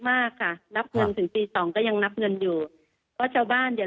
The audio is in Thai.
มากค่ะรับเงินถึงปี๒ก็ยังรับเงินอยู่เพราะเจ้าบ้านอย่า